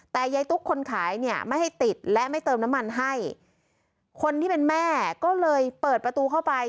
แต่ยายตุ๊กคนขายเนี่ยไม่ให้ติดและไม่เติมน้ำมันให้คนที่เป็นแม่ก็เลยเปิดประตูเข้าไป